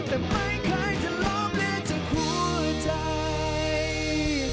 แต่ไม่เคยจะลงหรือจากหัวใจ